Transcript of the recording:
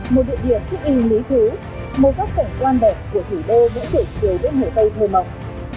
một địa điểm trích yên lý thú một góc cảnh quan đẹp của thủ đô vẫn trở trời với người tây thơ mộng